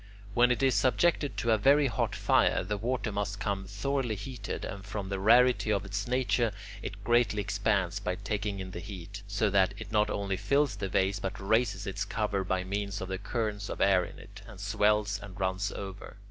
When it is subjected to a very hot fire, the water must become thoroughly heated, and from the rarity of its nature it greatly expands by taking in the heat, so that it not only fills the vase but raises its cover by means of the currents of air in it, and swells and runs over.